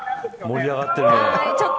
盛り上がってるね。